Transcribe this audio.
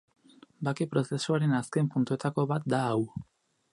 Bake prozesuaren azken puntuetako bat da hau.